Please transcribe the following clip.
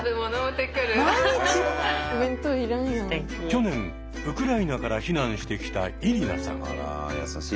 去年ウクライナから避難してきたイリナさん。